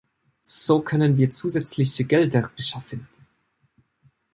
So können wir zusätzliche Gelder beschaffen.